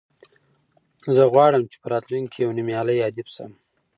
زه غواړم چې په راتلونکي کې یو نومیالی ادیب شم.